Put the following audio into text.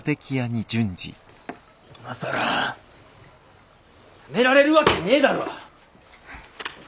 今更やめられるわけねえだろ。